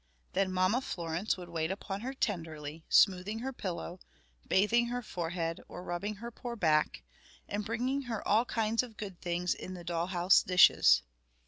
Then Mamma Florence would wait upon her tenderly, smoothing her pillow, bathing her forehead or rubbing her poor back, and bringing her all kinds of good things in the doll house dishes.